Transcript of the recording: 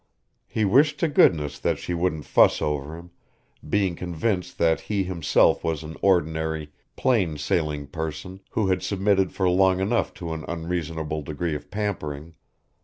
He wished to goodness that she wouldn't fuss over him, being convinced that he himself was an ordinary, plain sailing person who had submitted for long enough to an unreasonable degree of pampering.